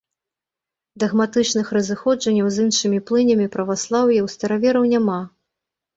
Дагматычных разыходжанняў з іншымі плынямі праваслаўя ў старавераў няма.